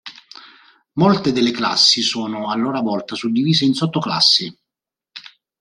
Molte delle classi sono a loro volta suddivise in sottoclassi.